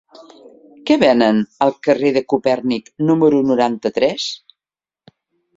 Què venen al carrer de Copèrnic número noranta-tres?